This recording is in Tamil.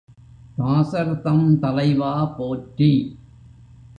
தாசர் தம் தலைவா போற்றி!